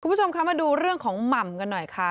คุณผู้ชมคะมาดูเรื่องของหม่ำกันหน่อยค่ะ